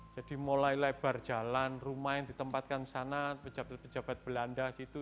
jadi mulai lebar jalan rumah yang ditempatkan sana pejabat pejabat belanda